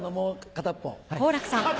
片っぽ。